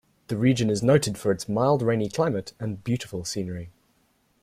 The region is noted for its mild rainy climate and beautiful scenery.